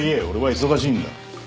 俺は忙しいんだ。